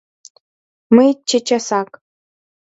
— Мый чечасак...